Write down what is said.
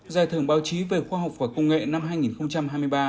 giải thưởng báo chí về khoa học và công nghệ năm hai nghìn hai mươi ba